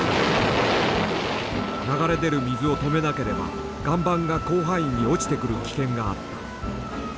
流れ出る水を止めなければ岩盤が広範囲に落ちてくる危険があった。